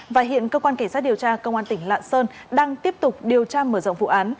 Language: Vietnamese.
và hiện cơ quan cảnh sát điều tra công an tỉnh lạng sơn đang tiếp tục điều tra mở rộng vụ án